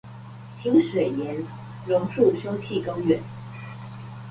清水巖榕樹休憩公園